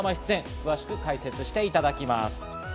詳しく解説していただきます。